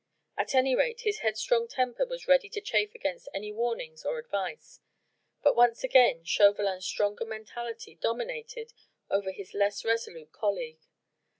At any rate his headstrong temper was ready to chafe against any warning or advice. But once again Chauvelin's stronger mentality dominated over his less resolute colleague.